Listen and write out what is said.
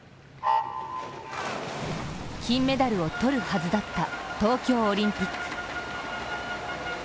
金メダルを取るはずだった東京オリンピック。